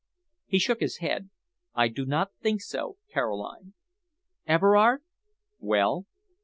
He shook his head. "I do not think so, Caroline." "Everard." "Well?"